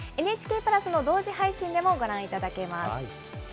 ＮＨＫプラスの同時配信でもご覧いただけます。